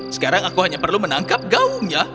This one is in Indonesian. sekarang aku hanya perlu menangkap gaungnya